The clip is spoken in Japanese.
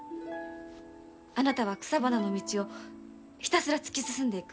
あなたは草花の道をひたすら突き進んでいく。